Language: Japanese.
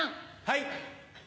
はい。